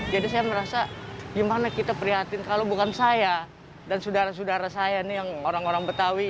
jadi saya merasa gimana kita prihatin kalau bukan saya dan saudara saudara saya yang orang orang betawi